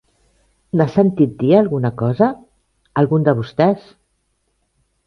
N'ha sentit dir alguna cosa? Algun de vostès?